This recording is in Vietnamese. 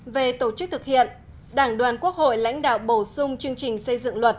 về tổ chức thực hiện đảng đoàn quốc hội lãnh đạo bổ sung chương trình xây dựng luật